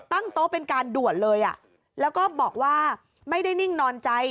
โต๊ะเป็นการด่วนเลยอ่ะแล้วก็บอกว่าไม่ได้นิ่งนอนใจ